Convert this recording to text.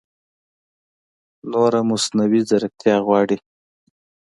نوره مصنعوي ځېرکتیا غواړي